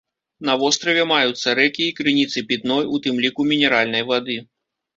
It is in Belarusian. На востраве маюцца рэкі і крыніцы пітной, у тым ліку мінеральнай вады.